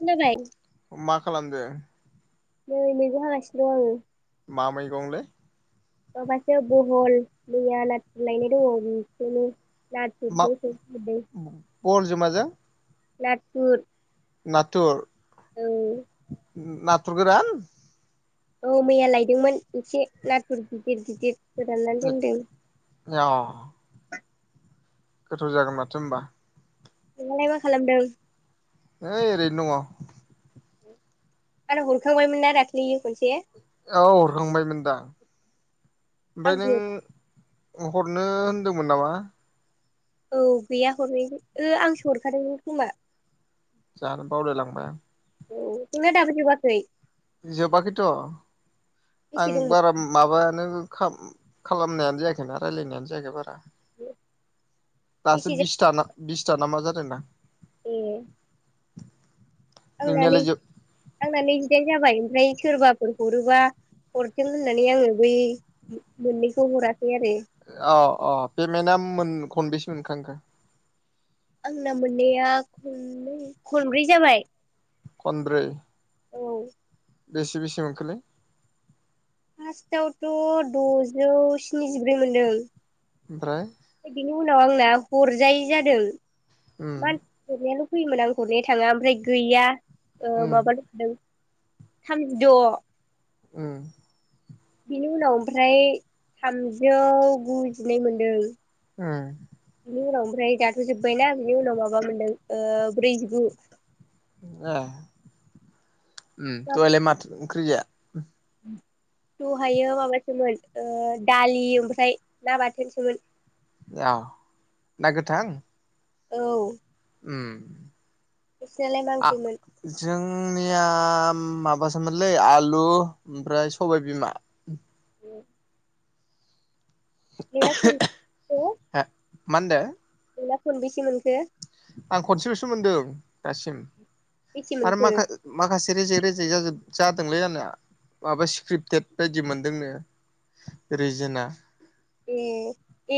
खोनाबाय मा खालामदों? नै मैगं हागासिनो दं आङो। मा मोैगं लै? भल मिया [unintelligible] बेखायनो [unintelligible] बल जमाजों नाथुर। नाथुर? औ। नाथुर गोरान? गुमैया लायदोंमोन एसे नाथुर [unintelligible] दोनदों औ। गोथाव जागोन माथो होनबा? नोंहालाय मा खालामदों? ओय ओरैनो दङ। आरो हरखांबायमोन ना दाख्लिैयो खनसे औ हरखांबायमोनदां ओमफ्राय आंसो नों हरनो होनदोंमोन नामा? औ गैया हरनाय आंसो हरखादों खोमा जानो बावलाय लांबाय। औ नों ना दाबो जोबाखै जोबाखैथ' बेसे आं दंबावो बारा माबायानो- खालामनायानो जायाखै ना राय्लायनायानो जायाखै बारा बेसे दासो बिसथा ना बिसथा नाामा जादोंदां। ए। आंनानै नोंनियालाय जोब आं न जिदाइन जाबाय ओमफ्राय सोरबाफोर हरोबा हरथों होननानै आङो बै मोननैखौ हराखै आरो। औ औ पेमेन्टआ मोन खनबेसो मोनखांखो? आंना मोननाया खनै खनब्रै जाबाय। खनब्रै? औ। बेसे बेसे मोनखोलै? फार्स्टआवथ' द'जौ स्निजिब्रै मोनदों। ओमफ्राय बिनि उनाव आंना हरजायै जादों उम मानसि हरनाय फैयोमोन आं हरनो थाङा ओमफ्राय गैया उम माब ल हरदों थामजिद' ओम। बेनि उनाव ओमफ्राय थामजौ गुजिनै मोनदों। ओम। बिनि उनाव ओमफ्राय दाथ' जोब्बायना बिनि उनाव माबा मोनदों ब्रैजिगु। ए दहायलाय माथ ओंख्रिजाया? दहायो माबासोमोन दालि ओमफ्राय ना बाथोनसोमोन। औ ना गोथां। औ। उम। नोंसिनालाय आ बांसैमोन? जोंनिया माबासोमोनलै आलु ओमफ्राय सबायबिमा। उम बेना खनबैसे? हो मा होनदो? नोंना खनबेसे मोनखो? आं खनसेल'सो मोनदों दासिम बेसे आरो मोनखो माखा-माखासे रेजेक रेजेक जाजोब जादोंलै आंना, माबा स्क्रिप्टेद बायदि मोनदोंनो रिजोना। ए,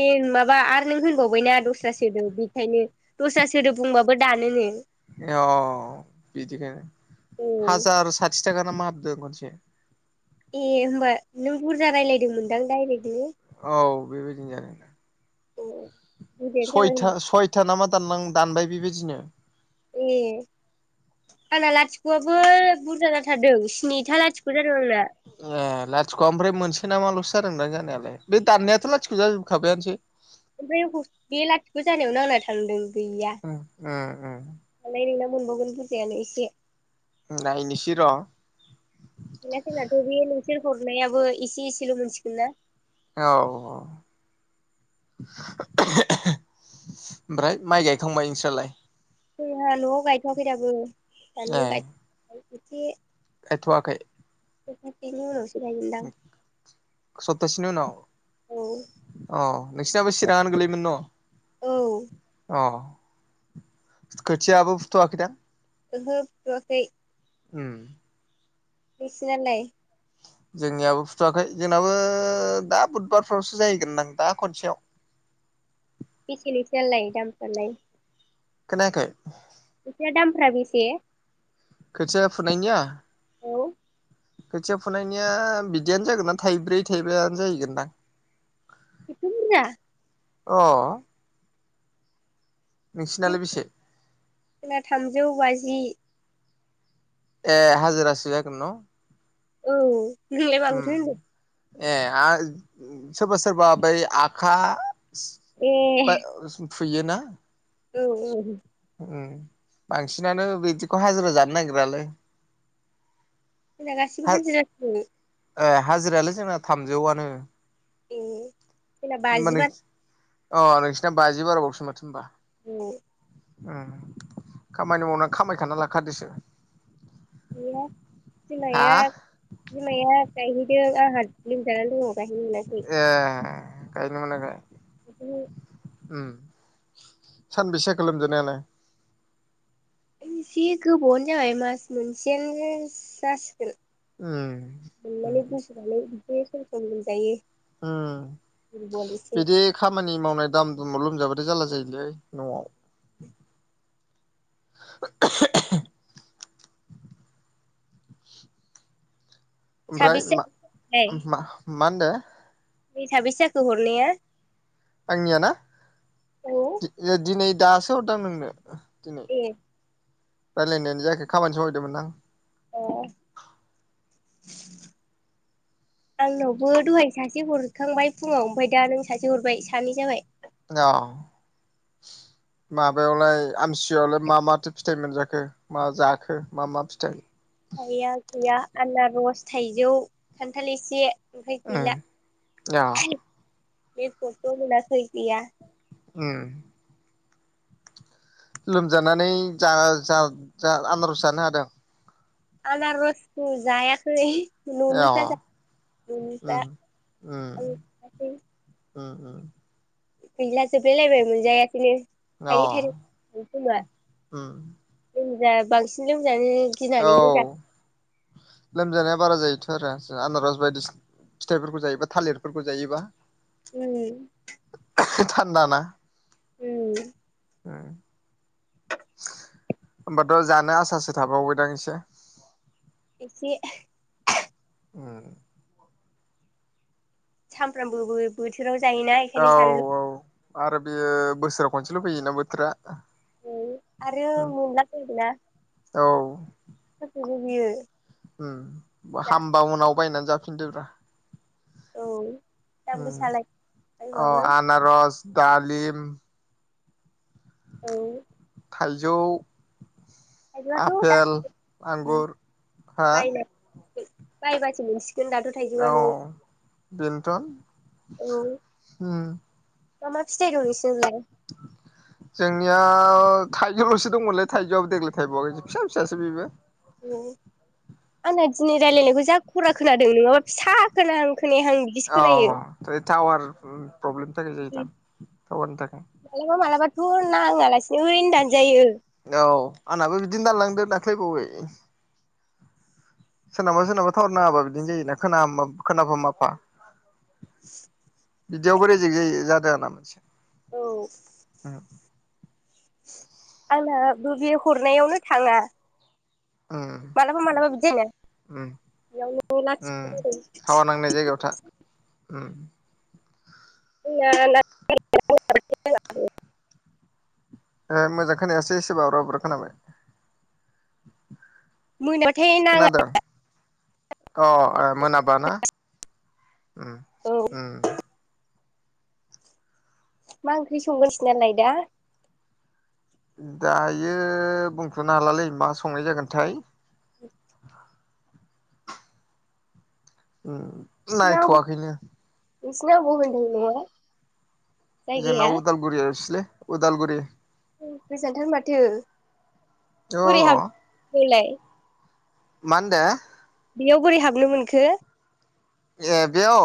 ए माबा आरो नों होनबावबायना दस्रा सोदोब बेखायनो दस्रा सोदोब बुंबाबो दानो नो। ए अ अ बिदिनो औ हाजार साथिथाखा नामा हाबदों खनसे। ए होमबा नों बुरजा रायलायदोंमोनदां डायरेक्टलि? औ बेबायदिनो जादोंदां! औ सयथा सयथा नामा दानलां दानबाय बेबायदिनो। ए आंना लाथिख'आबो बुरजा जाथारदों स्निथा लाथिख' जा- ए लाथिख'आ ओमफ्राय मोनसे नामाल'सो जादोंना जानायालाय, बे दाननायाथ' लाथिख' जाजोबखाबायानोसै। [unintelligible] याव नांना थांदों उ-उम-उम। मालाय नोंना मोनबावगोन बुरजायानो इसे। नायनिसै र'। गैला जोंनाथ' बे नोंसोर हरनायाबो इसे इसेल' मोनसिगोन ना? औ औ। ओमफ्राय माइ गायखांबाय नोंस्रालाय? जोंहा न'आव गायथ'वाखै दाबो बानलु गायदों एसे थायथ'वाखै? इनि उनावसो गायगोनदां सपतासेनि उनाव? औ अ नोंसिनाबो चिरांङानो गोलैयोमोन न'? औ ओहो अ। खोथियाबो फुथ'आखैदां? ओहो फुवाखै। उम। नोंसिनालाय? जोंनियाबो फुथ'वाखै जोंनाबो दा बुधबारफ्रावसो जाहैगोन दां दा खनसेयाव। [inaudible] बेसे नोंसिनियालाय दामफ्रालाय? खोनायाखै? फैसाया दामफ्रा बेसे? खोथिया फुनायनिया? औ। खोथिया फुनायनिया बिदियानो जागोन दां थाइब्रै थाइबायानो जाहैगोनदां। एथ' बुर्जा? अ। नोंसिनालाय बेसे जोंना थामजौ बाजि। ए हाजिरासो जागोन न'? औ नोंलाय उम माखौथो होनदों? ए आ सोरबा-सोरबा बै आखा [unintelligible] फुयोना? औ-औ। उम बांसिनानो बिदिखौ हाजिरा जानो नागिरालै। जोंना गासिबो हाजिरा फुयो। ए हाजिरायालाय जोंना थामजौआनो। ए जोंना बाजि बारा। औ नोंसोरना बाजि बाराबावसो माथो होमबा। न ओ खामानि मावना खामायखाना लाखादोसो। गैया हा बिमाया - बिमाया गायहैदों आंहा लोमजानानै दङ। गायहैनो मोनाखै ए गाय न मोनना गाय बिदि उ सानबैसे जाखो लोमजानायालाय एसे गोबावानो जाबाय मास मोनसेयानोस जास ओम बे सम - सम मोनजायो। ओम बिदि खामानि खामानि मावनाय दाम दुमाव लोमजाबाथाय जालला जायोलै न'आव। [unintelligible] ओमफ्राय साबेसे मा मा होनदो नै साबैसे जाखो हरनाया आंनिया ना औ इ दिनै दासो हरदों नोंनो। दिनै ए रायलायनायानो जायाखै खामानिसो मावहैदोंमोन आं। अ। [inaudible] आंनावबो दहाय सासे हरखांबाय फुङाव ओमफाय दा नों सासे हरबाय सानै जाबाय। औ। माबायावलाय आमथि सुवाआवलाय मा माथो फिथाइ मोनजाखो मा जाखो मा मा फिथाइ थाइया गैया आनारस थाइजौ खान्थाल इसे। ओम औ। बे फथ'मोनासै गैया। ए। लोमजानानै जा - जा - जा आनारज जानो हादों? आनारसस्थु जायाखै। अ उम [unintelligible] ओ ओ। गैला जोबलायलायबाय मोनजायाखैनो। अ थायनै थायनै थ खोमा उम जोंजा बांसिन जो औ लोमजानाया बारा जायो। थ' आरो आनारस बायदि फिथाइफोरखौ जायोबा थालिरफोरखौ जायोबा। उ। थान्दा ना। उ। ओम। होमबाथ' जानो आसासो थाबावबायदां एसे। एसे। ओम। सामफ्रामबो बो बोथोराव जायोना औ बेखायनो - जानलु औ आरो बेयो बोसोराव खनसेल' फैयोना बोथोरा। औ आरो मला फदोंना औ। जग बियो। उ हामबा उनाव बायनानै जाफिनदोब्रा। औ दाम गोसा अ लायबाबो आनार'स दालिम। औ। थाइजौ थाइजौआथ' आपेल दा आंगुर हा बायनाय बायबासो दाथ' थाइजौआ औ न'आव बेनथ' औ होम मा मा फिथाइ दं नोंसिनाव लाय नाव थाइजौल'सो दंमोनलै थाइजौआबो देग्लाय थायबावआाखै फिसा - फिसासो बेबो ए आंना दिनै रायलायनायखौ जा खरा खोनादों नङाबा फिसा खोनाहां खोनायाहां बिदिसो खोनायो औ टावार प्रब्लेमनि थाखाय जायो जां टावारनि थाखाय टर नाङालासिनो ओरैनो दानजायो आंनहाबो बिदिनो दानलांदो दाख्लैबावै सोरनावबा - सोरनावबा थावार नाङाबा बिदिनो जायोना खोनाम खोनाफा- माफा [inaudible] बिदियावबो रेजिक जायो जादों आंना मोनसे औ आंनाबो बे हरनायावनो थाङा उम मालाबा- मालाबा बिदि उम जायोना उम [unintelligible] ओम [unintelligible] ए मोजां खोनायासै एसे - एसे बाब्राब ब्राब खोनाबाय मोनायावथाय नाङा खोनादों आंना अ ए मोनाबा ना उम औ ओम मा ओंख्रि संगोन नोंसिनालाय दा दायो बुंथ'नो हालालै मा संनाय जागोनथाय [inaudible] उम नोंसिना अबाव नायथ'वाखैनो [unintelligible] जोंना जायगाया उदालगुरि एफ्सलै उदालगुरि गोजानथार माथो अ बोरै हाबफैलाय मानदो बेयाव बोरै हाबनो मोनखो ए बेयाव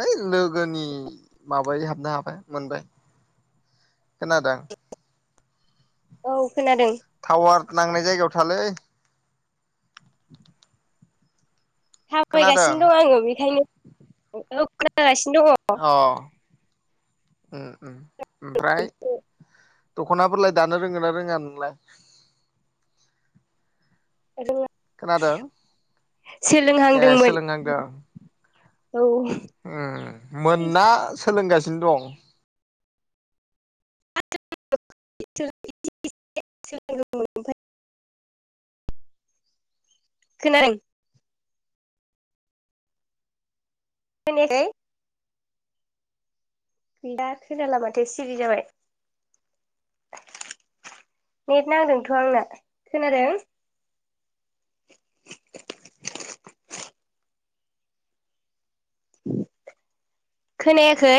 हैइ लोगोनि माबाय हाबनो हाबाय मोनबाय खोनादों औ खोनादों टावार नांनाय जायगायाव थालै खोनादों थाबायगासिनो दं आङो बेखायनो हेलौ गाइस अ ओ ओम ओमफ्राय दङ। दख'नाफोरलाय दानो रोंगोना रोङा नोंलाय खोनादों ए सोलोंहांदोंमोन सोलोंनांदों औ ओम मोनना सोलोंगासिनो दं [unintelligible] [unintelligible] खोनादों खोनायाखै दा खोनाला माथो सिरि जाबाय नेट नांदोंथ' आंना खोनादों खोनायाखै